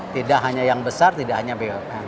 tidak hanya yang besar tidak hanya bumn